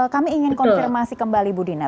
kami ingin konfirmasi kembali budina